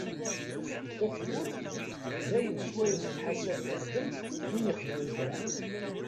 Tafgurt d ayen swayes tettḥasaf teɣdemt win ixedmen kra.